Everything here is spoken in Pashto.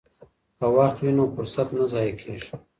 که وخت وي نو فرصت نه ضایع کیږي.